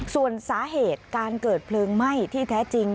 ส่วนสาเหตุการเกิดเพลิงไหม้ที่แท้จริง